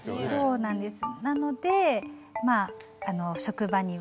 そうなんです。